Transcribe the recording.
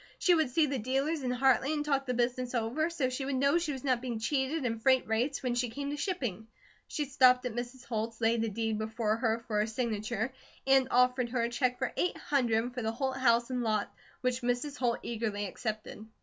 She would see the dealers in Hartley and talk the business over, so she would know she was not being cheated in freight rates when she came to shipping. She stopped at Mrs. Holt's, laid a deed before her for her signature, and offered her a check for eight hundred for the Holt house and lot, which Mrs. Holt eagerly accepted.